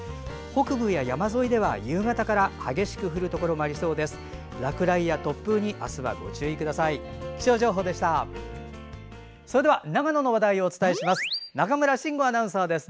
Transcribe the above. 北部や山沿いでは夕方から激しく降るところもありそうです。